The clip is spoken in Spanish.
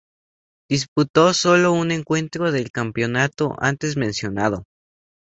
Disputó solo un encuentro del campeonato antes mencionado.